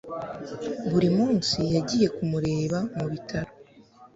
buri munsi yagiye kumureba mu bitaro